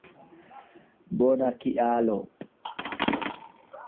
Bona kialo